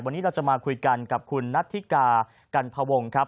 วันนี้เราจะมาคุยกันกับคุณนัทธิกากันพวงครับ